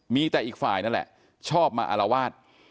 มีแต่อีกฝ่ายนั่นแหละชอบมาอารวาส